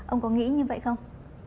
ông có nghĩ như vậy không